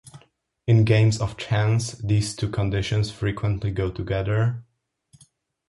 In games of chance, these two conditions frequently go together.